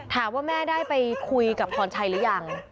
ถามว่าแม่ได้ไปคุยกับพรชัยหรือยัง